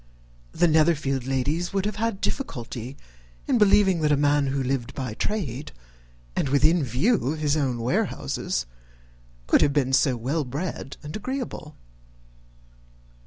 The Netherfield ladies would have had difficulty in believing that a man who lived by trade, and within view of his own warehouses, could have been so well bred and agreeable.